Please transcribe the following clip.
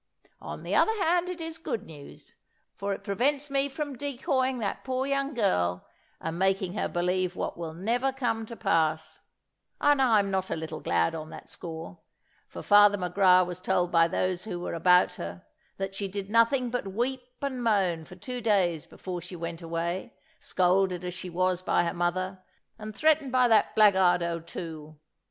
On the other hand, it is good news; for it prevents me from decoying that poor young girl, and making her believe what will never come to pass; and I am not a little glad on that score, for Father McGrath was told by those who were about her, that she did nothing but weep and moan for two days before she went away, scolded as she was by her mother, and threatened by that blackguard O'Toole.